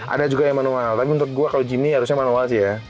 ada juga yang manual tapi menurut gua kalau jimny harusnya manual sih ya